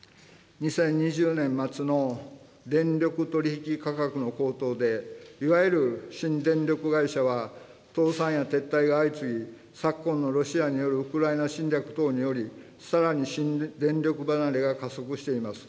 ２０２０年末の電力取引価格の高騰で、いわゆる新電力会社は倒産や撤退が相次ぎ、昨今のロシアによるウクライナ侵略等により、さらに新電力離れが加速しています。